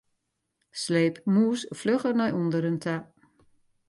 Sleep mûs flugger nei ûnderen ta.